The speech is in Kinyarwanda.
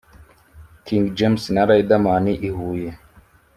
King James na Riderman i Huye